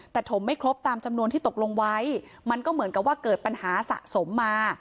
แต่ถมไม่ครบตามจำนวนที่ตกลงไว้มันก็เหมือนกับว่าเกิดปัญหาสะสมมา